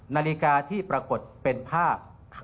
นาฬิกาที่ปรากฏเป็นภาพ